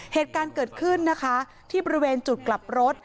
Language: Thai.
เหตุการณ์เกิดขึ้นนะคะที่บริเวณจุดกลับรถ